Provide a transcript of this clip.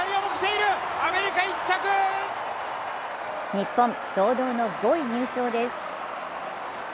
日本、堂々の５位入賞です。